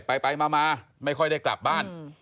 ไปมาไม่ค่อยได้กลับบ้าน